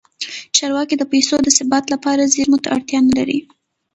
چارواکي د پیسو د ثبات لپاره زیرمو ته اړتیا نه لري.